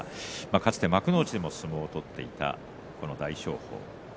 かつて幕内でも相撲を取っていた大翔鵬です。